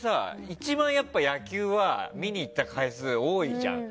一番、野球は見に行った回数多いじゃん。